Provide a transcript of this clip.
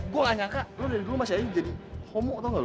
gua gak nyangka lo dari dulu masih aja jadi homo tau gak lo